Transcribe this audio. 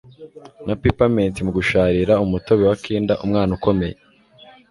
na peppermint-mu-gusharira-umutobe wa kinda, umwana-ukomeye